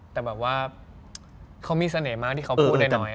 แต่แบบว่าเขามีเสน่ห์มากที่เขาพูดน้อย